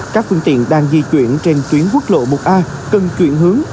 các phương tiện đang di chuyển trên tuyến quốc lộ một a cần chuyển hướng